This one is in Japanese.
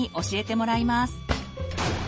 教えてもらいます。